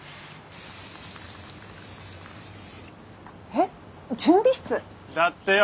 えっ準備室？だってよ